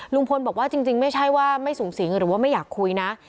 ลุงพลบอกว่าจริงไม่ใช่ว่าไม่สูงสิงหรือว่าไม่อยากคุยนะ